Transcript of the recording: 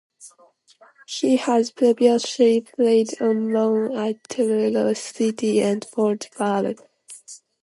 He has previously played on loan at Truro City and Port Vale.